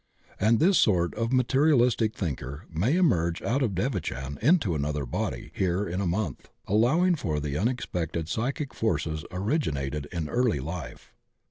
And this sort of materialistic thinker may emerge out of devachan into another body here in a mondli, allowing for the imexpended psychic forces originated in early life.